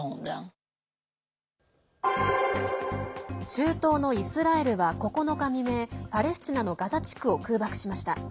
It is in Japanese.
中東のイスラエルは９日未明パレスチナのガザ地区を空爆しました。